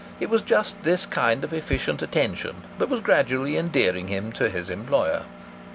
It was just this kind of efficient attention that was gradually endearing him to his employer.